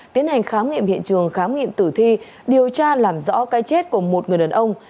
tiến hành khám nghiệm hiện trường khám nghiệm tử thi điều tra làm rõ cái chết của một người đàn ông